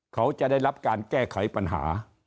เขาจะได้รับการแก้ไขปัญหา